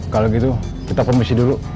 kalau gitu kita komisi dulu